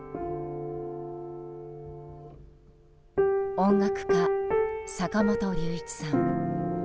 音楽家・坂本龍一さん。